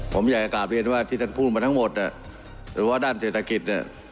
ผมอยากจะกลับเรียนว่าที่ท่านพูดมาทั้งหมดหรือว่าด้านเศรษฐกิจเนี่ย